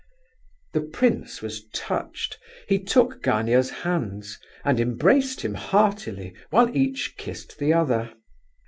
The prince was touched; he took Gania's hands, and embraced him heartily, while each kissed the other.